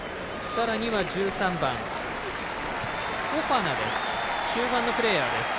さらには１３番、フォファナです。